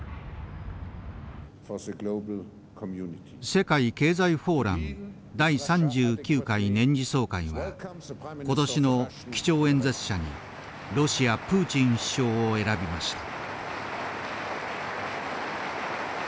世界経済フォーラム第３９回年次総会は今年の基調演説者にロシアプーチン首相を選びました。